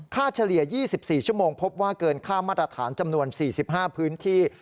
เฉลี่ย๒๔ชั่วโมงพบว่าเกินค่ามาตรฐานจำนวน๔๕พื้นที่